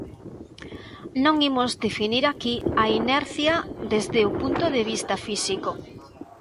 Non imos definir aquí a inercia desde o punto de vista físico.